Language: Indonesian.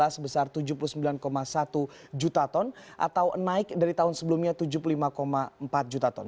sebesar tujuh puluh sembilan satu juta ton atau naik dari tahun sebelumnya tujuh puluh lima empat juta ton